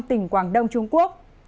tỉnh quảng đông trung quốc